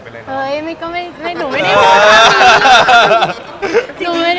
จริงบ๊วยบ๊วยเพราะมีคนเดียวไง